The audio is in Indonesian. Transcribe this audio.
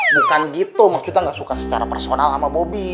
bukan gitu maksudnya gak suka secara personal sama bobi